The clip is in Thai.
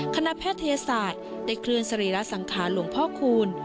แพทยศาสตร์ได้เคลื่อนสรีระสังขารหลวงพ่อคูณ